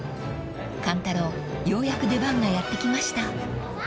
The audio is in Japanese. ［勘太郎ようやく出番がやって来ました］